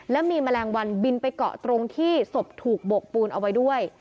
แล้วมีแมลงวันบินไปเกาะตรงที่ศพถูกบกปูนเอาไว้ด้วย